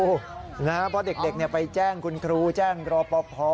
เพราะเด็กไปแจ้งคุณครูแจ้งรอปภ